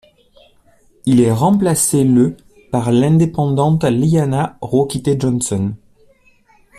Il est remplacé le par l'indépendante Liana Ruokytė-Jonsson.